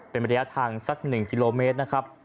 เป็นระยะทางสัก๑กิโลเมตรนะครับ